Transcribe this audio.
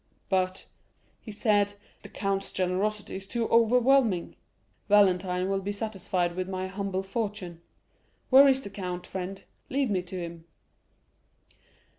"But," he said, "the count's generosity is too overwhelming; Valentine will be satisfied with my humble fortune. Where is the count, friend? Lead me to him."